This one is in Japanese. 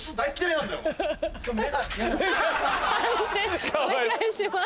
判定お願いします。